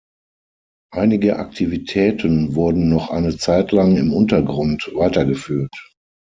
Einige Aktivitäten wurden noch eine Zeitlang im Untergrund weitergeführt.